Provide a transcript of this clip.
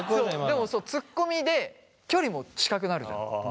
でもそうツッコミで距離も近くなるじゃん。